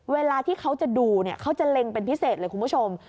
เวลาที่เขาจะดูเนี่ยเขาจะเล็งเป็นพิเศษเลยคุณผู้ชม